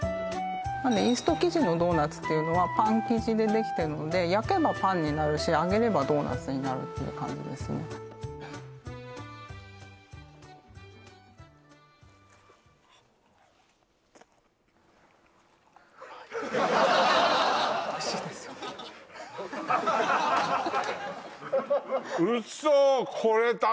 イースト生地のドーナツっていうのはパン生地でできてるので焼けばパンになるし揚げればドーナツになるっていう感じですねウッソー